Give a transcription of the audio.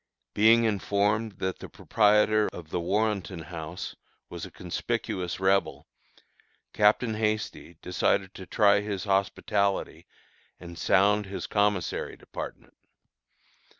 Being informed that the proprietor of the Warrenton House was a conspicuous Rebel, Captain Hasty decided to try his hospitality and sound his commissary department.